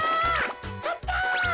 あった！